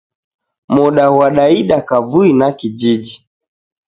Moda ghwadaida kavui na kijiji.